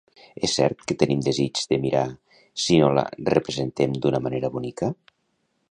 És cert que tenim desig de mirar si no la representem d'una manera bonica.